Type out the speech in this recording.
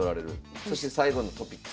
そして最後のトピックス